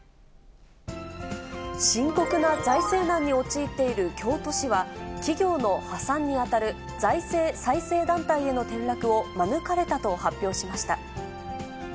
深刻な財政難に陥っている京都市は、企業の破産に当たる財政再生団体への転落を免れたと発表しました。